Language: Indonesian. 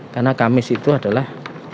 karena kamis itu adalah